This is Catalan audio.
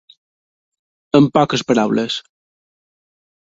En poques paraules.